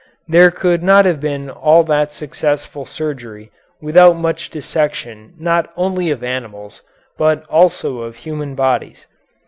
There could not have been all that successful surgery without much dissection not only of animals but also of human bodies.